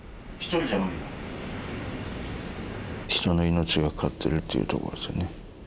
人の命がかかってるっていうとこですね。